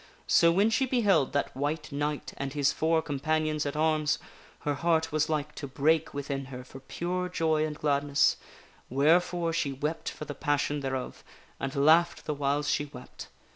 So when she beheld that White Knight and his four com panions at arms, her heart was like to break within her for pure joy and gladness, wherefore she wept for the passion thereof, and laughed the whiles she wept.